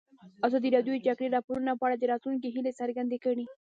ازادي راډیو د د جګړې راپورونه په اړه د راتلونکي هیلې څرګندې کړې.